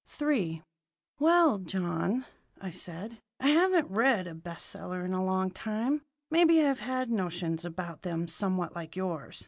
III "Well, John," said I, "I haven't read a best seller in a long time. Maybe I've had notions about them somewhat like yours.